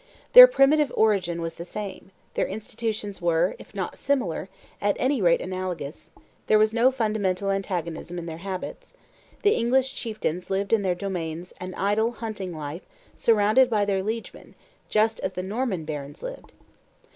Their primitive origin was the same; their institutions were, if not similar, at any rate analogous; there was no fundamental antagonism in their habits; the English chieftains lived in their domains an idle, hunting life, surrounded by their liegemen, just as the Norman barons lived.